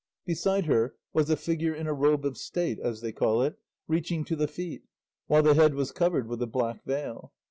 Beside her was a figure in a robe of state, as they call it, reaching to the feet, while the head was covered with a black veil.